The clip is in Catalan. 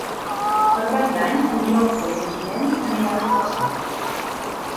Per Cap d'Any en Jofre i en Guillem aniran a Flaçà.